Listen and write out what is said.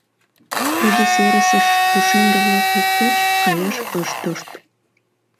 Тудо серысе пушеҥге-влак воктеч каяш ыш тошт.